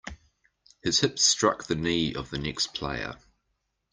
His hip struck the knee of the next player.